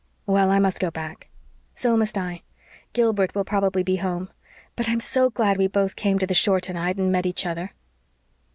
Well, I must go back." "So must I. Gilbert will probably be home. But I'm so glad we both came to the shore tonight and met each other."